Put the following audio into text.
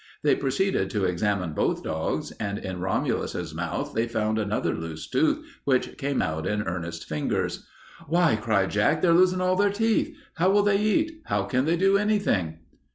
They proceeded to examine both dogs, and in Romulus's mouth they found another loose tooth which came out in Ernest's fingers. "Why," cried Jack, "they're losing all their teeth. How will they eat? How can they do anything?"